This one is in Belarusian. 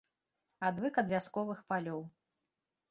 Адвык ад вясковых палёў.